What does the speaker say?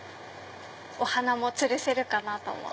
お花もつるせるかなと思って。